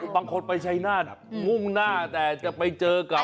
บางคนไปชัยนาธมุ่งหน้าแต่จะไปเจอกับ